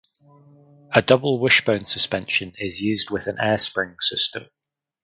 A double wishbone suspension is used with an air spring system.